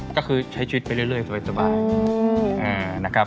ก็คือใช้ชีวิตไปเรื่อยสบายนะครับ